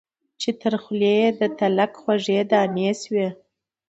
چي تر خوله یې د تلک خوږې دانې سوې